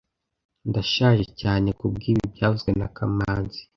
Ndashaje cyane kubwibi byavuzwe na kamanzi